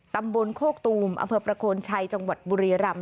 ตำบลโคกตูมอำเภอประโคนชัยจังหวัดบุรีรำ